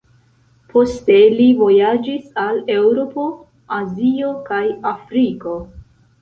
Poste li vojaĝis al Eŭropo, Azio kaj Afriko.